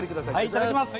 いただきます。